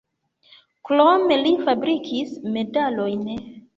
Krome li fabrikis medalojn.